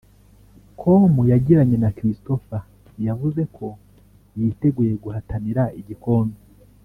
com yagiranye na Christopher yavuze ko yiteguye guhatanira igikombe